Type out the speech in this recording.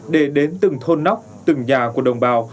để đến từng thôn nóc từng nhà của đồng bào